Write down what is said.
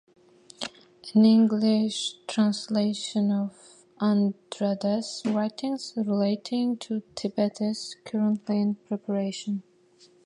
An English translation of Andrade's writings relating to Tibet is currently in preparation.